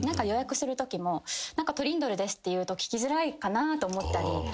予約するときも「トリンドルです」って言うと聞きづらいかなと思ったり。